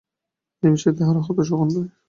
এ-বিষয়ে তাঁহারা হতাশও হন নাই।